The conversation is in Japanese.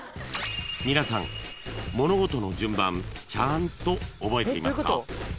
［皆さん物事の順番ちゃんと覚えていますか？］